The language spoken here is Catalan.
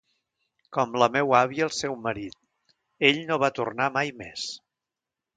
Com la meua àvia al seu marit... ell no va tornar mai més.